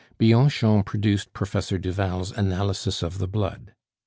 Bianchon produced Professor Duval's analysis of the blood.